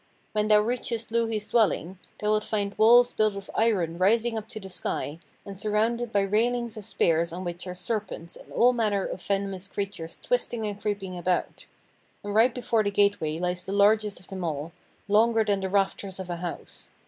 When thou reachest Louhi's dwelling, thou wilt find walls built of iron rising up to the sky, and surrounded by railings of spears on which are serpents and all manner of venomous creatures twisting and creeping about; and right before the gateway lies the largest of them all, longer than the rafters of a house.